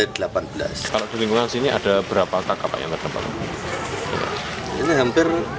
kalau di lingkungan sini ada berapa tangkap yang terdampak